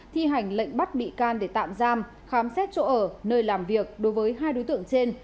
thi hành lệnh bắt bị can để tạm giam khám xét chỗ ở nơi làm việc đối với hai đối tượng trên